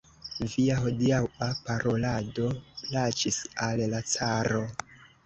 Via hodiaŭa parolado plaĉis al la caro.